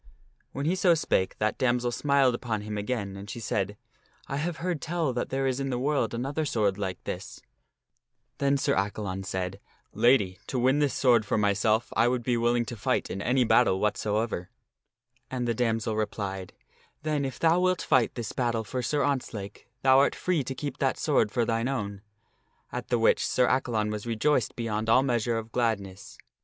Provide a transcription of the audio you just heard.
When he so spake that damoiselle smiled upon him again, and she said, " I have heard tell that there is in the world another sword like to this." 1 94 THE STORY OF MERLIN Then Sir Accalon said, " Lady, to win this sword for myself I would be willing to fight in any battle whatsoever/' And the damoiselle replied, "Then if thou wilt fight this battle for Sir Ontzlake battu for Sir thou art free to keep that sword for thine own," at the which Sir Accalon was rejoiced beyond all measure of gladness.